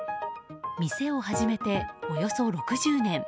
店を始めておよそ６０年。